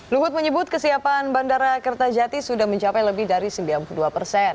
luhut menyebut kesiapan bandara kertajati sudah mencapai lebih dari sembilan puluh dua persen